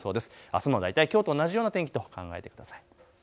あすも大体きょうと同じような天気と考えてください。